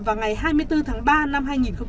vào ngày hai mươi bốn tháng ba năm hai nghìn hai mươi